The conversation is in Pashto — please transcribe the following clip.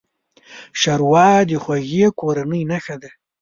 ښوروا د خوږې کورنۍ نښه ده.